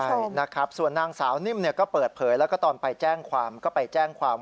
ใช่นะครับส่วนนางสาวนิ่มเนี่ยก็เปิดเผยแล้วก็ตอนไปแจ้งความ